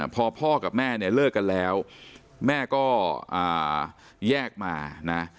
พอพ่อกับแม่เนี่ยเลิกกันแล้วแม่ก็แยกมานะ